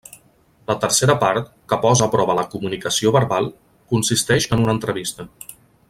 La tercera part, que posa a prova la comunicació verbal, consisteix en una entrevista.